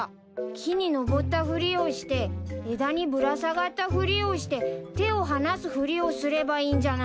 木に登ったふりをして枝にぶら下がったふりをして手を離すふりをすればいいんじゃないかな。